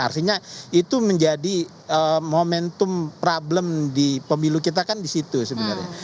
artinya itu menjadi momentum problem di pemilu kita kan di situ sebenarnya